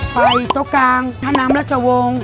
โต๊ะกลางท่าน้ำราชวงศ์